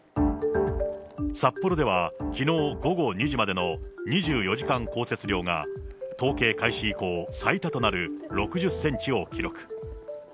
札幌ではきのう午後２時までの２４時間降雪量が統計開始以降最多となる６０センチを記録。